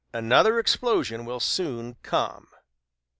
Another explosion will soon come."